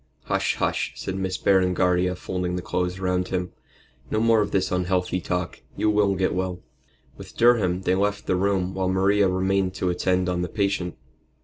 "Hush! hush!" said Miss Berengaria, folding the clothes round him, "no more of this unhealthy talk. You will get well." With Durham they left the room while Maria remained to attend on the patient.